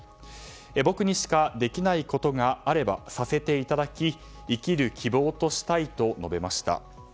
僕にしかできないことがあればさせていただき生きる希望としたいと述べました。